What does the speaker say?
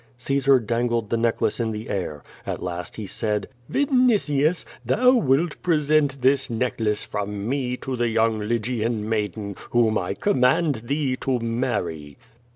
Caesar dangled the necklace in the air. At last he said: "Vinitius, thou wilt present this necklace from me to the young Lygian maiden, whom I command thee to marry."